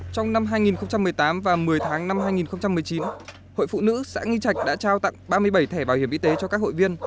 trong năm hai nghìn một mươi tám và một mươi tháng năm hai nghìn một mươi chín hội phụ nữ xã nghi trạch đã trao tặng ba mươi bảy thẻ bảo hiểm y tế cho các hội viên